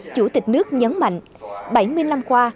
chủ tịch nước nhấn mạnh bảy mươi năm qua